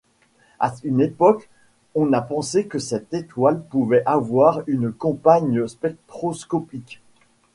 À une époque, on a pensé que cette étoile pouvait avoir une compagne spectroscopique.